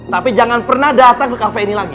tapi jangan pernah datang ke kafe ini lagi